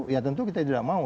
ya tentu kita tidak mau